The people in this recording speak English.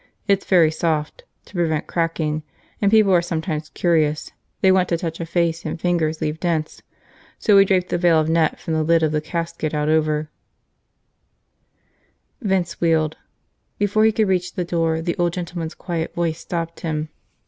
It's very soft, to prevent cracking, and people are sometimes curious, they want to touch a face, and fingers leave dents. So we drape the veil of net from the lid of the casket out over –" Vince wheeled. Before he could reach the door, the old gentleman's quiet voice stopped him.